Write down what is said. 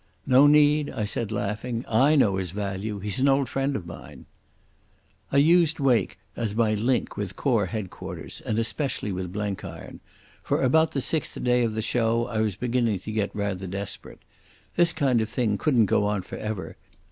"No need," I said, laughing. "I know his value. He's an old friend of mine." I used Wake as my link with Corps Headquarters, and especially with Blenkiron. For about the sixth day of the show I was beginning to get rather desperate. This kind of thing couldn't go on for ever.